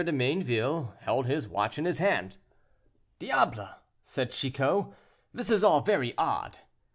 de Mayneville held his watch in his hand. "Diable!" said Chicot, "this is all very odd."